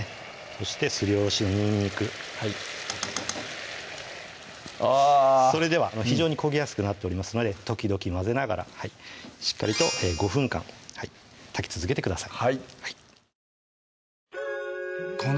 そしてすりおろしのにんにくそれでは非常に焦げやすくなっておりますので時々混ぜながらしっかりと５分間炊き続けてください